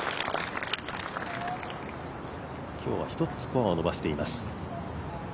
今日は一つスコアを伸ばしています。